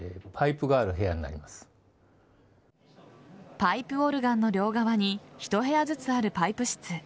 パイプオルガンの両側に１部屋ずつあるパイプ室。